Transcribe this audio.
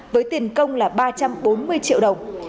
với tiền công là ba trăm bốn mươi triệu đồng